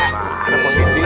mana mau pindah